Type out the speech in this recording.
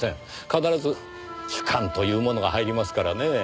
必ず主観というものが入りますからねえ。